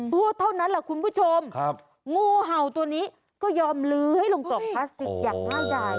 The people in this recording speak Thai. พูดเท่านั้นแหละคุณผู้ชมงูเห่าตัวนี้ก็ยอมลื้อให้ลงกล่องพลาสติกอย่างง่ายดาย